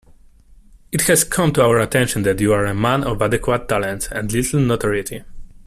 It has come to our attention that you are a man of adequate talents and little notoriety.